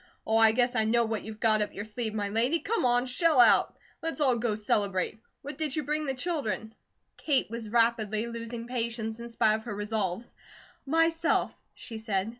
Oh, I guess I know what you've got up your sleeve, my lady. Come on, shell out! Let's all go celebrate. What did you bring the children?" Kate was rapidly losing patience in spite of her resolves. "Myself," she said.